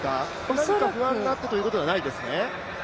何か不安があったということではないですね？